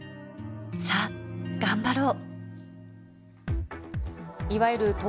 さあ、頑張ろう。